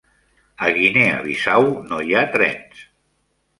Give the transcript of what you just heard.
A Guinea Bissau no hi ha trens.